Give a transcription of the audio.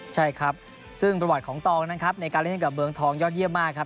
ใช่ครับซึ่งประวัติของตองนะครับในการเล่นกับเมืองทองยอดเยี่ยมมากครับ